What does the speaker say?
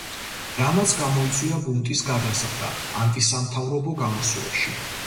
რამაც გამოიწვია ბუნტის გადაზრდა ანტისამთავრობო გამოსვლებში.